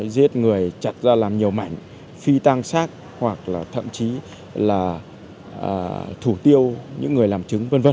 giết người chặt ra làm nhiều mảnh phi tăng xác hoặc là thậm chí là thủ tiêu những người làm trừ